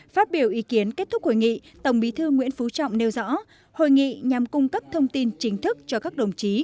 phát biểu ý kiến kết thúc hội nghị tổng bí thư nguyễn phú trọng nêu rõ hội nghị nhằm cung cấp thông tin chính thức cho các đồng chí